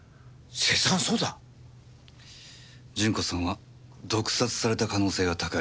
順子さんは毒殺された可能性が高い。